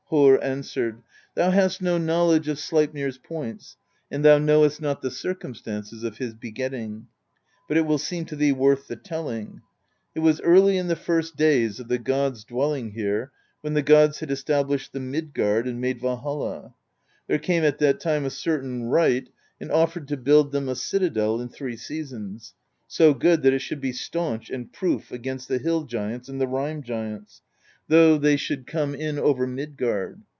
Harr answered: "Thou hast no knowledge of Sleipnir's points, and thou knowest not the circumstances of his begetting; but it will seem to thee worth the telling. It was early in the first days of the gods' dwelling here, when the gods had established the Midgard and made Valhall; there came at that time a cer tain wright and offered to build them a citadel in three sea sons, so good that it should be staunch and proof against the Hill Giants and the Rime Giants, though they should 54 PROSE EDDA come in over Midgard.